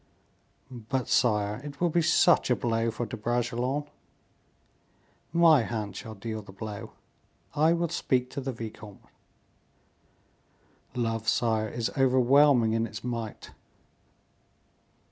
"But, sire, it will be such a blow for De Bragelonne." "My hand shall deal the blow; I will speak to the vicomte." "Love, sire, is overwhelming in its might."